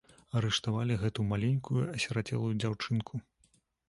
Арыштавалі гэту маленькую асірацелую дзяўчынку.